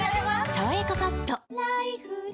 「さわやかパッド」